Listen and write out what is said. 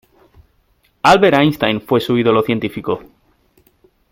Albert Einstein fue su ídolo científico.